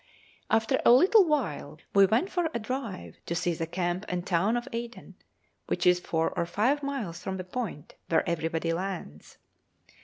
After a little while we went for a drive to see the camp and town of Aden, which is four or five miles from the Point where everybody lands.